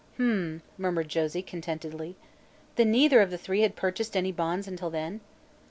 "H m m," murmured Josie contentedly. "Then neither of the three had purchased any bonds until then?"